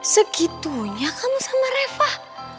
segitunya kamu sama refah